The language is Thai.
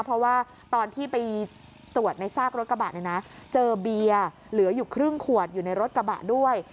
เพราะว่าตอนที่ไปตรวจในซากรถกระบะเนี่ยนะเจอเบียร์เหลืออยู่ครึ่งขวดอยู่ในรถกระบะด้วย